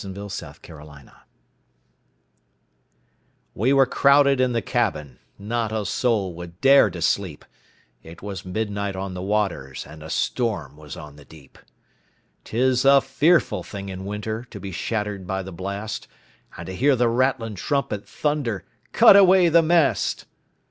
Y Z Ballad of the Tempest WE were crowded in the cabin, Not a soul would dare to sleep, It was midnight on the waters, And a storm was on the deep. 'Tis a fearful thing in winter To be shattered by the blast, And to hear the rattling trumpet Thunder, "Cut away the mast!"